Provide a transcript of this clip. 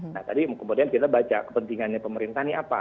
nah tadi kemudian kita baca kepentingannya pemerintah ini apa